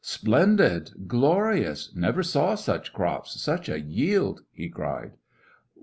"Splendid, glorious ! Never saw such crops —such a yield," he cried.